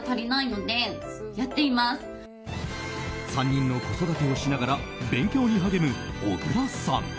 ３人の子育てをしながら勉強に励む小倉さん。